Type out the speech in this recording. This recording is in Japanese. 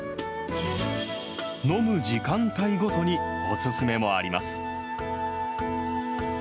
飲む時間帯ごとに、お薦めもあります。